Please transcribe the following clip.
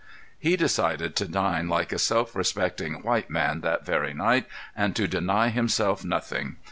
He decided to dine like a self respecting white man that very night, and to deny himself nothing.